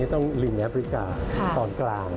ต้องลิงแอฟริกาตอนกลาง